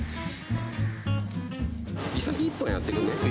イサキ１本、やってくんない？